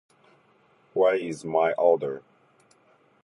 Where is my order?